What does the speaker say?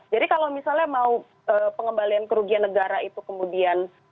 jadi kalau misalnya mau pengembalian kerugian negara itu kemudian